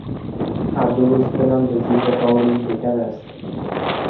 هر روز دلم به زیر باری دگر است